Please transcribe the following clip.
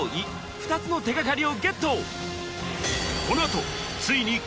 ２つの手がかりをゲット！